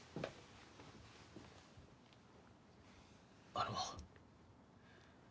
あの。